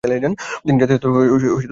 তিনি জাতিসত্তার কবি হিসেবেও পরিচিত।